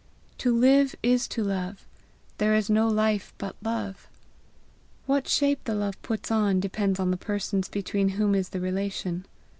To live is to love; there is no life but love. What shape the love puts on, depends on the persons between whom is the relation.